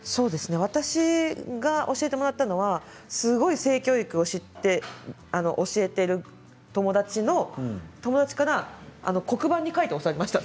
私が教えてもらったのは性教育を教えている友達のその友達から黒板に描いて教わりました。